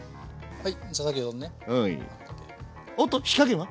はい。